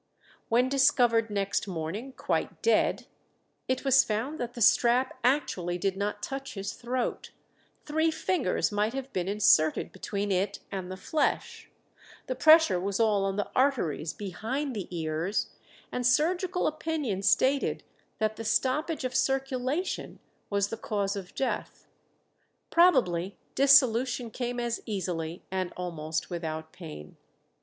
When discovered next morning, quite dead, it was found that the strap actually did not touch his throat; three fingers might have been inserted between it and the flesh; the pressure was all on the arteries behind the ears, and surgical opinion stated that the stoppage of circulation was the cause of death. Probably dissolution came as easily and almost without pain.